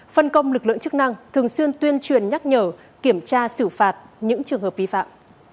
phân công lực lượng chức năng thường xuyên tuyên truyền nhắc nhở kiểm tra xử phạt những trường hợp vi phạm